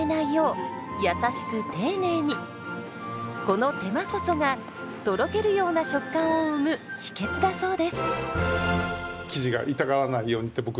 この手間こそがとろけるような食感を生む秘訣だそうです。